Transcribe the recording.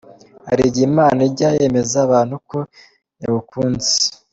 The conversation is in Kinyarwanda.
Hari igihe Imana ijya yemeza abantu ko yagukunze!.